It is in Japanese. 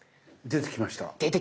出てきました。